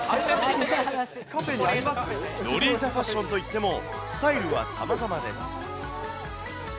ロリータファッションといっても、スタイルはさまざまです。